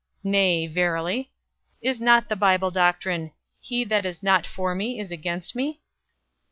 Nay, verily! Is not the Bible doctrine, 'He that is not for me is against me?'